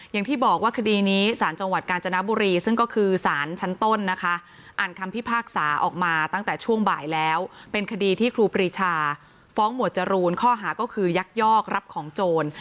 อย่างที่บอกว่าคดีนี้สารจังหวัดกาญจนบุรีซึ่งก็คือสารชั้นต้นนะคะอ่านคำพิพากษาออกมาตั้งแต่ช่วงบ่ายแล้วเป็นคดีที่ครูปรีชาฟ้องหมวดจรูนข้อหาก็คือยักยอกรับของโจร